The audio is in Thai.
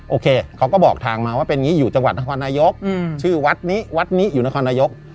โอเคเขาก็บอกทางมาว่าเป็นอย่างนี้อยู่จังหวัดนครนายกชื่อวัดนี้วัดนี้อยู่นครนายก